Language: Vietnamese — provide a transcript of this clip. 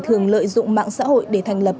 thường lợi dụng mạng xã hội để thành lập